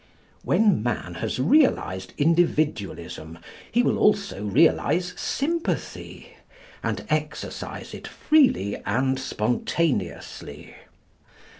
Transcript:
When man has realised Individualism, he will also realise sympathy and exercise it freely and spontaneously.